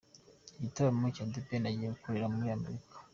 Igitaramo The Ben agiye gukorera muri Amerika.